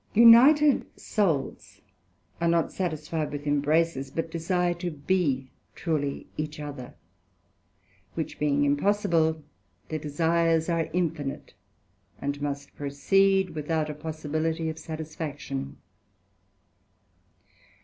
United souls are not satisfied with imbraces, but desire to be truly each other; which being impossible, their desires are infinite, and must proceed without a possibility of satisfaction.